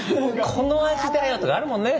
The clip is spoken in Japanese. この味だよとかあるもんね。